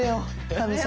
神様。